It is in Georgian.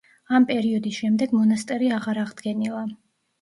ამ პერიოდის შემდეგ მონასტერი აღარ აღდგენილა.